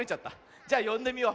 じゃよんでみよう。